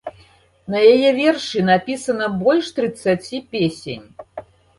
На яе вершы напісана больш трыццаці песень.